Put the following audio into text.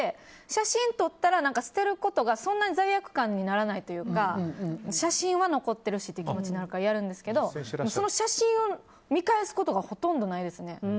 写真撮ったら捨てることが罪悪感にならないというか写真は残ってるしという気持ちで結構やるんですけどその写真を見返すことがほとんどないですね。